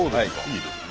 いいですね。